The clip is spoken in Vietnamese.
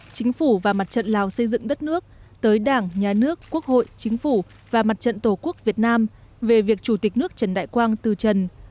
chính phủ và mặt trận lào xây dựng đất nước tới đảng nhà nước quốc hội chính phủ và mặt trận tổ quốc việt nam về việc chủ tịch nước trần đại quang từ trần